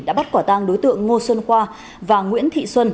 đã bắt quả tang đối tượng ngô xuân khoa và nguyễn thị xuân